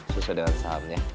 susah dengan sahamnya